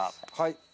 はい。